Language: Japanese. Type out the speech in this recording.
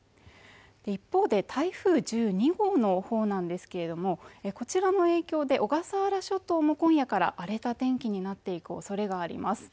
一方で台風１２号のほうなんですけれどもこちらの影響で小笠原諸島も今夜から荒れた天気になっていく恐れがあります